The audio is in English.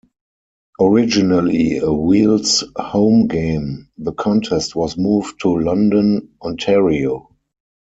Originally a Wheels home game, the contest was moved to London, Ontario.